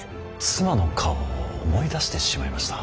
妻の顔を思い出してしまいました。